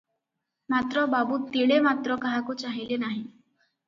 ମାତ୍ର ବାବୁ ତିଳେ ମାତ୍ର କାହାକୁ ଚାହିଁଲେ ନାହିଁ ।